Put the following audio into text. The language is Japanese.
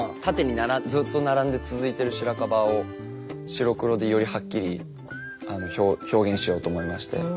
縦にずっと並んで続いてる白樺を白黒でよりはっきり表現しようと思いまして。